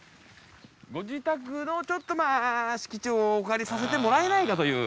ご自宅のちょっとまあ敷地をお借りさせてもらえないかという。